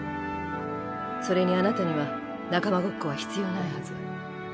それにあなたには仲間ごっこは必要ないはず。